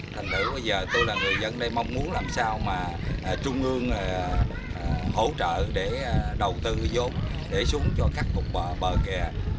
thành thử bây giờ tôi là người dẫn đây mong muốn làm sao mà trung ương hỗ trợ để đầu tư vô để xuống cho khắc phục bờ kè